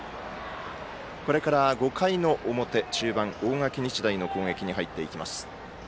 これから５回の表中盤、大垣日大の攻撃に入っていきます。